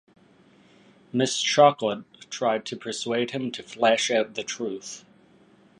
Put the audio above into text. Miss Chocolate tried to persuade him to flash out the truth.